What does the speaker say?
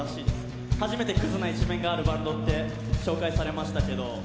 初めてクズな一面があるバンドって紹介されましたけど。